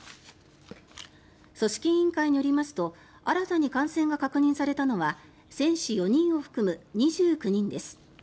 組織委員会によりますと新たに感染が確認されたのは選手４人を含む２９人です。